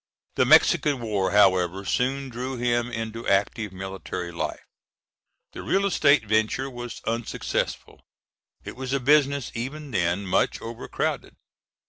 The Mexican War, however, soon drew him into active military life. The real estate venture was unsuccessful; it was a business even then much overcrowded.